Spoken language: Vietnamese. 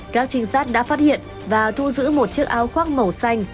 các trinh sát đã phát hiện và thu giữ một chiếc áo khoác màu xanh